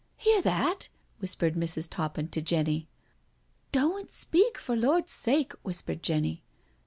" Hear that?" whispered Mrs. Toppin to Jenny. " Doan*t speak, for Lord's sake," whispered Jenny.